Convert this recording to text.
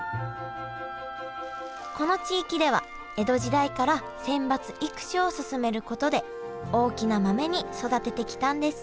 この地域では江戸時代から選抜育種を進めることで大きな豆に育ててきたんです